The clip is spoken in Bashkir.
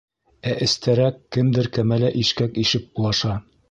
Ә эстәрәк кемдер кәмәлә ишкәк ишеп булаша.